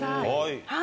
はい。